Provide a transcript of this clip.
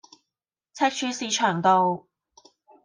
赤柱市場道